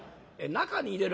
「中に入れる」。